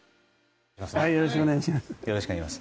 よろしくお願いします